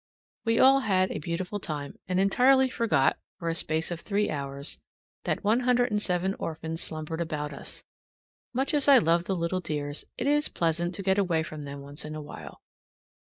We all had a beautiful time, and entirely forgot for a space of three hours that 107 orphans slumbered about us. Much as I love the little dears, it is pleasant to get away from them once in a while.